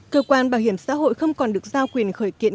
cơ quan bảo hiểm xã hội không còn được giao quyền khởi kiện